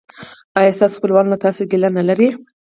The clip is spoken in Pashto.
ایا ستاسو خپلوان له تاسو ګیله نلري؟